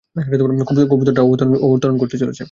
কবুতরটা অবতরণ করতে চলেছে।